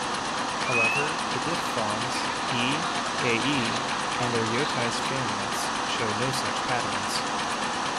However, the diphthongs "e, ae" and their yotized variants show no such patterns.